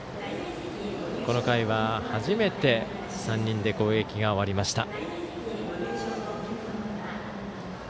この回は初めて３人で攻撃が終わりました。